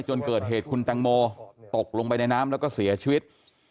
จนเกิดเหตุคุณแตงโมตกลงไปในน้ำแล้วก็เสียชีวิต